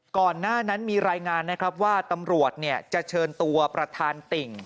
ก่อนหน้านั้นมีรายงานนะครับว่าตำรวจจะเชิญตัวประธานติ่ง